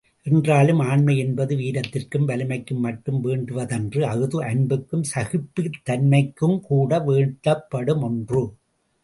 என்றாலும், ஆண்மை என்பது வீரத்திற்கும் வலிமைக்கும் மட்டும் வேண்டுவதன்று அஃது அன்புக்குஞ் சகிப்புத் தன்மைக்குங்கூட வேண்டப்படும் ஒன்று.